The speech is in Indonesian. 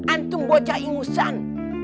antum bocah ingusan